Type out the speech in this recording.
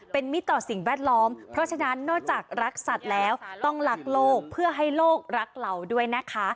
เป็นมิตรต่อสิ่งแวดล้อมเพราะฉะนั้นนอกจากรักสัตว์แล้วต้องรักโลกเพื่อให้โลกรักเราด้วยนะคะ